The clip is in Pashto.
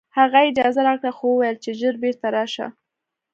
هغه اجازه راکړه خو وویل چې ژر بېرته راشه